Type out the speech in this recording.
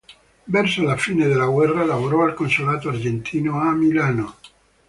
Verso la fine della guerra lavorò al consolato argentino a Milano.